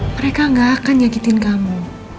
mereka gak akan nyakitin kamu